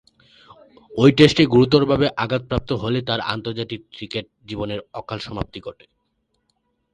ঐ টেস্টে গুরুতরভাবে আঘাতপ্রাপ্ত হলে তার আন্তর্জাতিক ক্রিকেট জীবনের অকাল সমাপ্তি ঘটে।